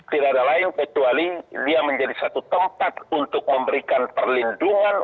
tidak ada lain kecuali dia menjadi satu tempat untuk memberikan perlindungan